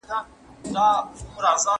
د لویې جرګي د پای ته رسېدو وروسته څه کیږي؟